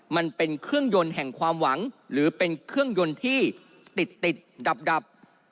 มันเป็นเครื่องยนต์แห่งความหวังหรือเป็นเครื่องยนต์ที่ติดดับ